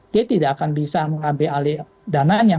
dia tidak akan bisa mengambil alih dananya